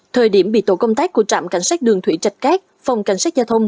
thời điểm bị tổ công tác của trạm cảnh sát đường thủy rạch cát phòng cảnh sát giao thông